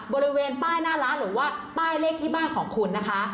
บริเวณป้ายหน้าร้านหรือว่าป้ายเลขที่บ้านของคุณนะคะ